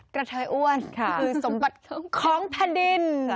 กระเทยอ้วนคือสมบัติของแผ่นดิน